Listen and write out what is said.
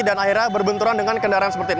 dan akhirnya berbenturan dengan kendaraan seperti ini